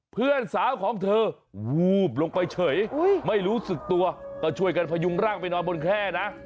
เพื่อนสาวของเธอวูบลงไปเฉยไม่รู้สึกตัวก็ช่วยกันพยุงร่างไปนอนบนแค่นะ